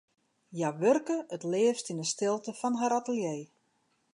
Hja wurke it leafst yn 'e stilte fan har atelier.